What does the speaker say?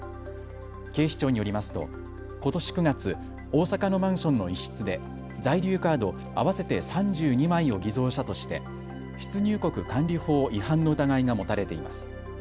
警視庁によりますとことし９月、大阪のマンションの一室で在留カード合わせて３２枚を偽造したとして出入国管理法違反の疑いが持たれています。